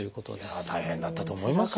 いやあ大変だったと思いますよ。